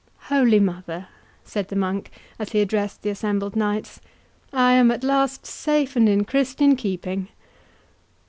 "Holy Mother," said the monk, as he addressed the assembled knights, "I am at last safe and in Christian keeping!"